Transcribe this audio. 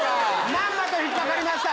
まんまと引っ掛かりました。